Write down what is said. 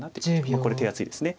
これ手厚いです。